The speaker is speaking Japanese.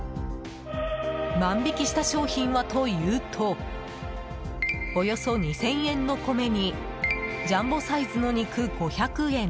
万引きした商品はというとおよそ２０００円の米にジャンボサイズの肉、５００円。